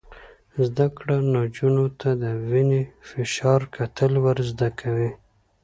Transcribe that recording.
زده کړه نجونو ته د وینې فشار کتل ور زده کوي.